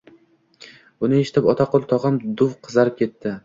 Buni eshitib, Otaqul tog‘am duv qizarib ketdi.